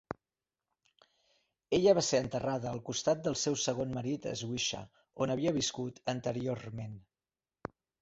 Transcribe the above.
Ella va ser enterrada al costat del seu segon marit Swisha, on havia viscut anteriorment.